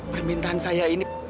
permintaan saya ini